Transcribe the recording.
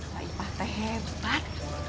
lai pah teh hebat